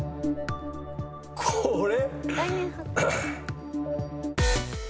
これ。